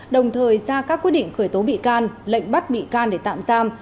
đồng thời ra các quyết định khởi tố bị can lệnh bắt bị can để tạm giam